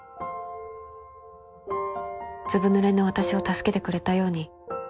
「ずぶぬれの私を助けてくれたように」